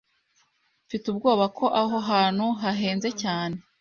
Mfite ubwoba ko aho hantu hahenze cyane.